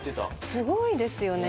すごいですね。